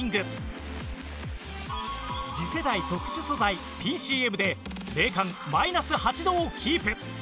次世代特殊素材 ＰＣＭ で冷感マイナス８度をキープ